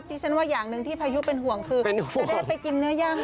จัด